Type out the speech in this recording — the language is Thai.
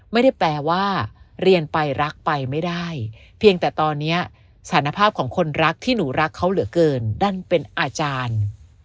ไม่ได้แปลว่าเรียนไปรักไปไม่ได้เพียงแต่ตอนนี้สารภาพของคนรักที่หนูรักเขาเหลือเกินดันเป็นอาจารย์